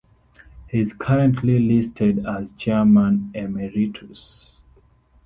He is currently listed as chairman Emeritus.